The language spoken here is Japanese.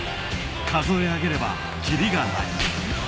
数え上げればキリがない。